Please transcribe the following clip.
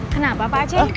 kenapa pak aceh